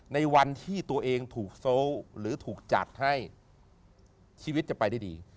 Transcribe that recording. ในวันที่ตัวเองถูกโซลหรือถูกจัดให้ชีวิตจะไปได้ดี